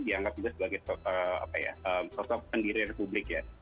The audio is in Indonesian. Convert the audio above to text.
dianggap juga sebagai sosok pendiri republik ya